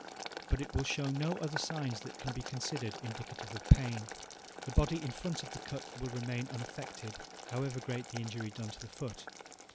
But it will show no other signs that can be considered indicative of pain. The body in front of the cut will remain unaffected, however great the injury done to the foot.